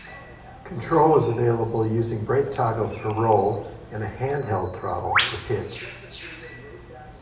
Control is available using brake toggles for roll and a hand-held throttle for pitch.